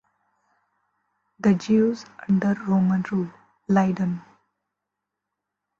"The Jews Under Roman Rule" Leiden.